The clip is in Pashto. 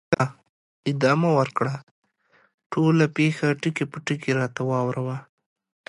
ښه، ادامه ورکړه، ټوله پېښه ټکي په ټکي راته واوره وه.